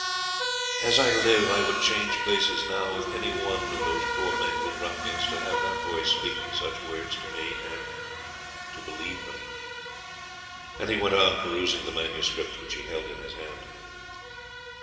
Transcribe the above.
'As I live, I would change places now with any one of those poor mangled ruffians to have that voice speaking such words to me....and to believe them.'.... And he went on perusing the manuscript which he held in his hand.